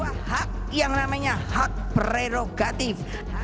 itu hak yang namanya hak prerogatif